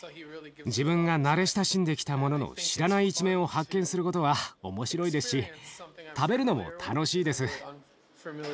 自分が慣れ親しんできたものの知らない一面を発見することは面白いですし食べるのも楽しいです。